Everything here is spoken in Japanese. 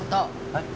はい？